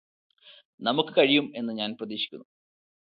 നമുക്ക് കഴിയും എന്ന് ഞാന് പ്രതീക്ഷിക്കുന്നു